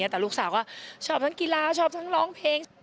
แต่ลูกสาวก็ชอบทั้งกีฬาชอบทั้งร้องเพลง